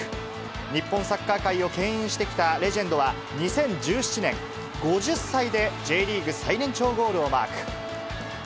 日本サッカー界をけん引してきたレジェンドは、２０１７年、５０歳でＪリーグ最年長ゴールをマーク。